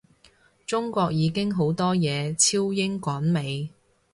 中國已經好多嘢超英趕美